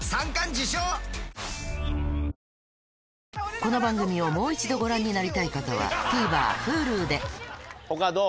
この番組をもう一度ご覧になりたい方はＴＶｅｒＨｕｌｕで他どう？